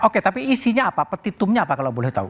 oke tapi isinya apa petitumnya apa kalau boleh tahu